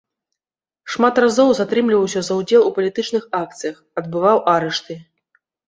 Шмат разоў затрымліваўся за ўдзел у палітычных акцыях, адбываў арышты.